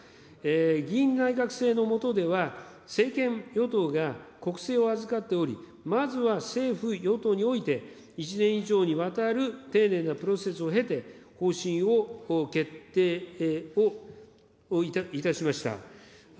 議院内閣制の下では、政権与党が国政を預かっており、まずは政府・与党において、１年以上にわたる丁寧なプロセスを経て、方針を決定をいたしました。